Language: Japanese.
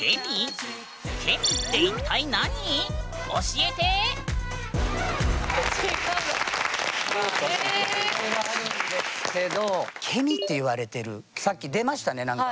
ケミっていろいろあるんですけどケミっていわれてるさっき出ましたね何か。